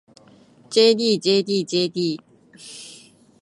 ｊｄｊｄｊｄ